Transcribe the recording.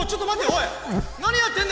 おい！